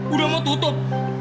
udah mau tutup